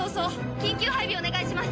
緊急配備、お願いします。